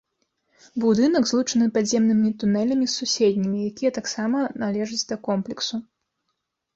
Будынак злучаны падземнымі тунэлямі з суседнімі, якія таксама належаць да комплексу.